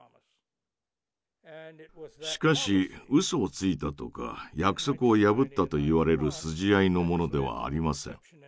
しかしうそをついたとか約束を破ったと言われる筋合いのものではありません。